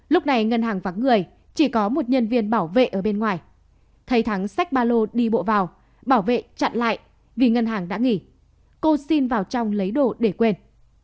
lúc này ngân hàng vắng người chỉ có một nhân viên bảo vệ ở bên ngoài thấy thắng sách ba lô đi bộ vào bảo vệ chặn lại vì ngân hàng đã nghỉ cô xin vào trong lấy đồ để quên